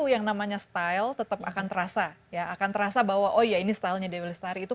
yang namanya style tetap akan terasa ya akan terasa bahwa oh ya ini stylenya dewi lestari itu